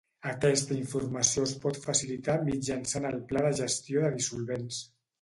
Aquesta informació es pot facilitar mitjançant el Pla de gestió de dissolvents.